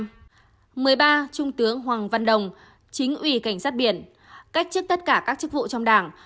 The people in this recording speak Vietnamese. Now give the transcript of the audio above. thứ mười ba trung tướng hoàng văn đồng chính ủy cảnh sát biển cách trước tất cả các chức vụ trong đảng